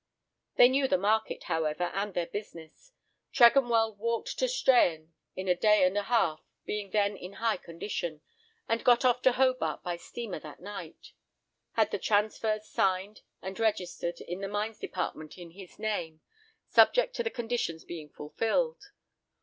They knew the market, however, and their business. Tregonwell walked to Strahan in a day and a half, being then in high condition, and got off to Hobart by steamer that night. Had the transfers signed and registered in the Mines Department in his name, subject to the conditions being fulfilled.